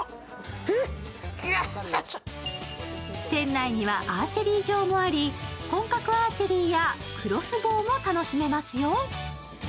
店内にはアーチェリー場もあり本格アーチェリーやクロスボウも楽しめますよ。